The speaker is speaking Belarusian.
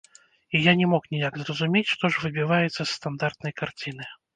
І я не мог ніяк зразумець, што ж выбіваецца з стандартнай карціны.